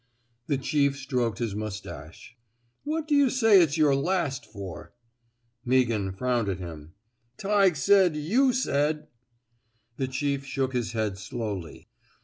The chief stroked his mustache. What do you say it's your * last ' for! " Meaghan frowned at him. Tighe said you said —" The chief shook his head slowly.